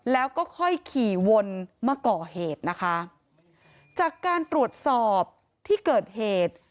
แล้วก็ค่อยขี่วนมาก่อเหตุนะคะจากการตรวจสอบที่เกิดเหตุ